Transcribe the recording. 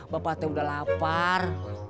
bapak teh udah lapar